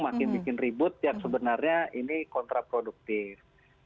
makin bikin ribut yang sebenarnya ini kontraproduktif